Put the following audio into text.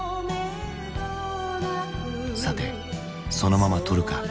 さてそのままとるか？